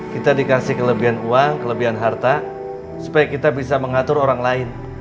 kita dikasih kelebihan uang kelebihan harta supaya kita bisa mengatur orang lain